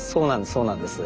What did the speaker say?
そうなんです